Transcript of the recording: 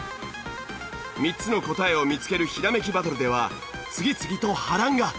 ３つの答えを見つけるひらめきバトルでは次々と波乱が。